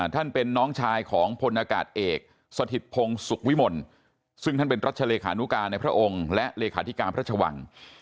ท่านเป็นน้องชายของพลอากาศเอกสถิตพงศ์สุขวิมลซึ่งท่านเป็นรัชเลขานุกาในพระองค์และเลขาธิการพระชวัง